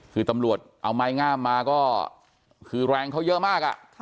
คือตำรวจเอาไม้งามมาก็คือแรงเขาเยอะมากอ่ะ